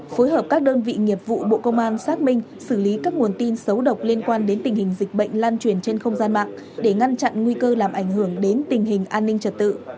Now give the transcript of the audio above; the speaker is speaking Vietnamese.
phối hợp các đơn vị nghiệp vụ bộ công an xác minh xử lý các nguồn tin xấu độc liên quan đến tình hình dịch bệnh lan truyền trên không gian mạng để ngăn chặn nguy cơ làm ảnh hưởng đến tình hình an ninh trật tự